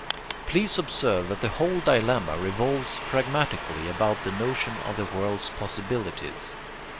Please observe that the whole dilemma revolves pragmatically about the notion of the world's possibilities.